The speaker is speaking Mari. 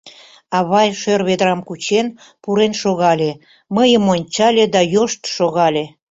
Авай, шӧр ведрам кучен, пурен шогале, мыйым ончале да йошт шогале.